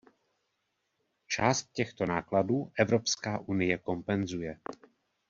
Část těchto nákladů Evropská unie kompenzuje.